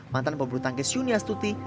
mantan pemburu tangges yuni astuti